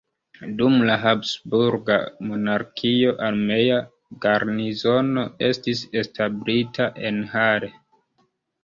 Dum la Habsburga monarkio armea garnizono estis establita en Hall.